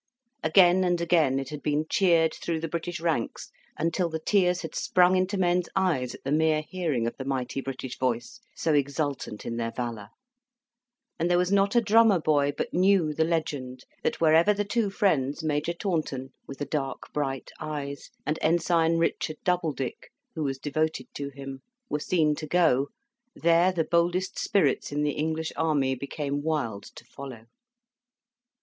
Again and again it had been cheered through the British ranks until the tears had sprung into men's eyes at the mere hearing of the mighty British voice, so exultant in their valour; and there was not a drummer boy but knew the legend, that wherever the two friends, Major Taunton, with the dark, bright eyes, and Ensign Richard Doubledick, who was devoted to him, were seen to go, there the boldest spirits in the English army became wild to follow.